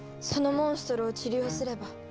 そのモンストロを治療すれば。